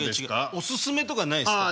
おすすめとかないですか？